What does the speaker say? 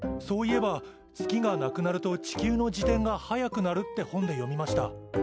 そういえば月がなくなると地球の自転が速くなるって本で読みました。